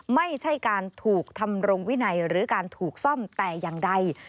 ไม่ใช่การถูกทำรงวินัยหรือการถูกซ่อมแต่อย่างใด